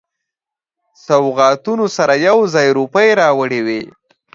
سوغاتونو سره یو ځای روپۍ راوړي وې.